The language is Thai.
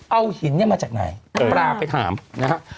เอาหินเนี้ยมาจากไหนเนี้ยข้าไปถามนะฮะ